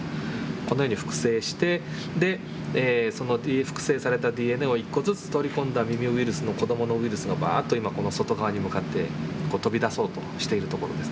このように複製してその複製されたＤＮＡを１個ずつ取り込んだミミウイルスの子どものウイルスがバッとこの外側に向かってこう飛び出そうとしているところですね。